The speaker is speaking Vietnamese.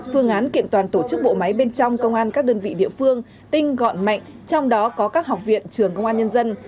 phương án kiện toàn tổ chức bộ máy bên trong công an các đơn vị địa phương tinh gọn mạnh trong đó có các học viện trường công an nhân dân